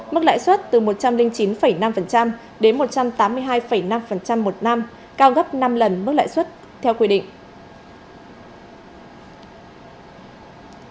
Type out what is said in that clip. mức lãi suất từ một trăm linh chín năm đến một trăm tám mươi hai năm một năm cao gấp năm lần mức lãi suất theo quy định